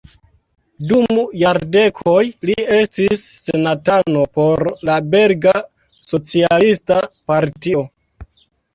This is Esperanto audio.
Dum jardekoj li estis senatano por la belga socialista partio.